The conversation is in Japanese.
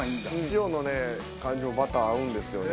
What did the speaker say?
塩の感じもバター合うんですよね